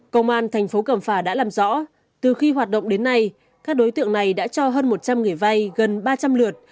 công an thành phố cẩm phả đã làm rõ từ khi hoạt động đến nay các đối tượng này đã cho hơn một trăm linh người vay gần ba trăm linh lượt